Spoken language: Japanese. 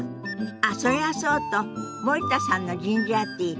あっそりゃそうと森田さんのジンジャーティー